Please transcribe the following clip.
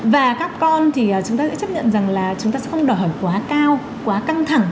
và các con thì chúng ta sẽ chấp nhận rằng là chúng ta sẽ không đòi hỏi quá cao quá căng thẳng